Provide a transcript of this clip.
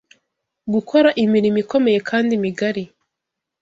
gukora imirimo ikomeye kandi migari